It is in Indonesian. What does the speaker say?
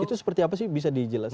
itu seperti apa sih bisa dijelaskan